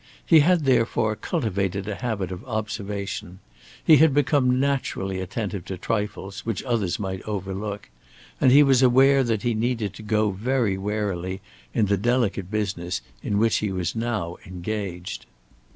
He had, therefore, cultivated a habit of observation; he had become naturally attentive to trifles which others might overlook; and he was aware that he needed to go very warily in the delicate business on which he was now engaged.